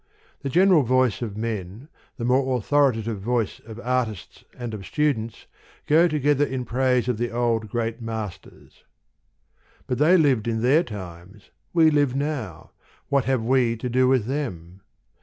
The general voice of men, the more authoritative voice of artists and of students, go together in praise of the old, great masters. " But they lived in their times, we live now; what have we to do with them?"